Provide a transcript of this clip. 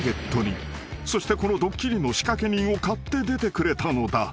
［そしてこのドッキリの仕掛け人を買って出てくれたのだ］